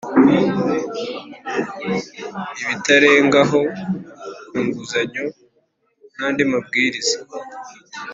ibitarengaho kunguzanyo nandi mabwiriza